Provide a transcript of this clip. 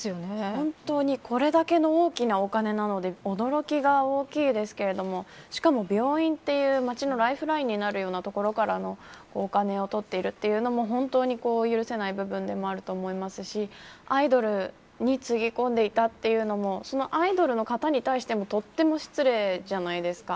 本当にこれだけの大きなお金なので驚きが大きいですがしかも、病院という町のライフライになるような所からのお金を取っているというのも本当に許せない部分でもあると思いますしアイドルにつぎ込んでいたというのもアイドルの方に対してもとっても失礼じゃないですか。